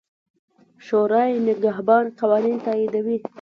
شورای نګهبان قوانین تاییدوي.